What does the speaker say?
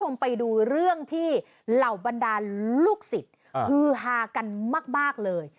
คุณผู้ชมไปดูเรื่องที่เหล่าบรรดาลูกศิษย์ฮือฮากันมากเลย